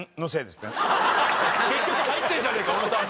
結局入ってるんじゃねえか小野さんも。